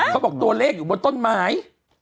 เขาบอกตัวเลขอยู่บนต้นไม้